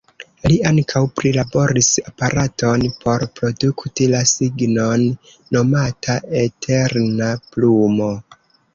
Li ankaŭ prilaboris aparaton por produkti la signon, nomata „eterna plumo”.